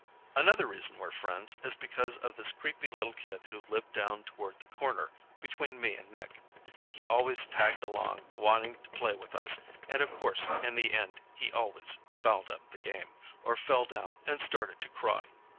Another reason we're friends is because of this creepy little kid who lived down toward the corner, between me and Nick. He always tagged along, wanting to play with us, and of course in the end he always fouled up the game or fell down and started to cry.